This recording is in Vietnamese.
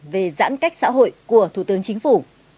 về giãn cách xã hội của thủ tướng chính phủ